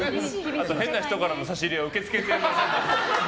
あと、変な人からの差し入れは受け付けておりません。